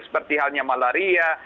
seperti halnya malaria